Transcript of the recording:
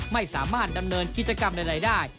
ไม่สามารถดำเนินกิจกรรมใดได้